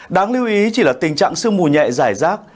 đáng lưu ý chỉ là tình trạng sương mù nhẹ giải rác